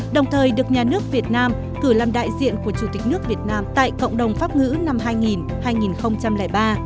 đồng thời được nhà nước việt nam cử làm đại diện của chủ tịch nước việt nam tại cộng đồng pháp ngữ năm hai nghìn hai